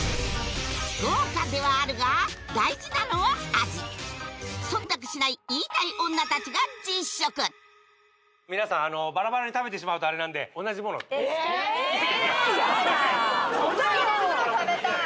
豪華ではあるが大事なのは味忖度しない言いたい女達が実食皆さんバラバラに食べてしまうとあれなんでやだー！